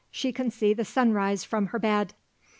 "She can see the sunrise from her bed."